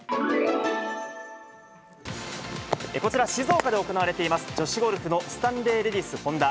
こちら、静岡で行われています女子ゴルフのスタンレーレディスホンダ。